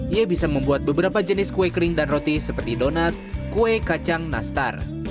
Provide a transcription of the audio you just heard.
ia bisa membuat beberapa jenis kue kering dan roti seperti donat kue kacang nastar